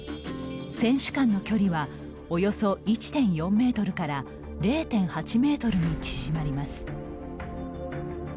選手間の距離はおよそ１．４メートルから０．８メートルに縮まります。